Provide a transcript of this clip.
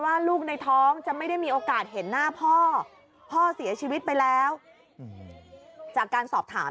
ลูกในท้องจะไม่ได้มีโอกาสเห็นหน้าพ่อพ่อเสียชีวิตไปแล้วจากการสอบถาม